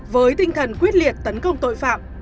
với tinh thần quyết liệt tấn công tội phạm